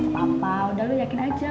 apa apa udah lo yakin aja